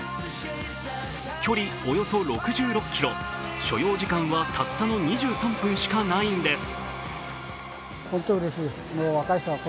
距離およそ６６ｋｍ、所要時間はたったの２３分しかないんです。